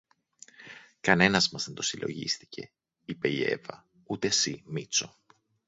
Κανένας μας δεν το συλλογίστηκε, είπε η Εύα, ούτε συ, Μήτσο